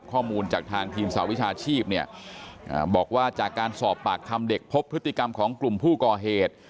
ข้อมูลจากทางทีมสาวิชาชีพเนี่ยบอกว่าจากการสอบปากคำเด็กพบพฤติกรรมของกลุ่มผู้ก่อเหตุ